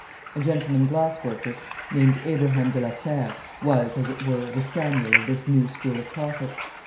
A gentleman glass worker, named Abraham de la Serre, was, as it were, the Samuel of this new school of prophets.